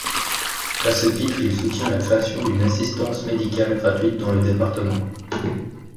À ce titre, il soutient la création d'une assistance médicale gratuite dans le département.